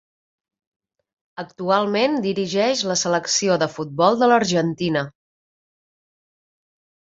Actualment dirigeix la selecció de futbol de l'Argentina.